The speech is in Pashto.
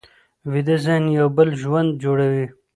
ویده ذهن یو بل ژوند جوړوي